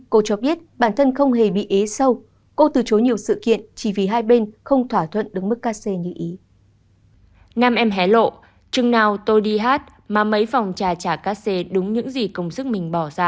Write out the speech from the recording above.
cô cho biết bản thân không hề bị ế sâu cô từ chối nhiều sự kiện chỉ vì hai bên không thỏa thuận đứng mức cac như ý